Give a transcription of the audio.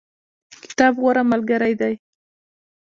کتاب غوره ملګری دی